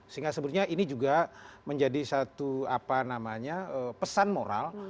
sehingga sebetulnya ini juga menjadi satu pesan moral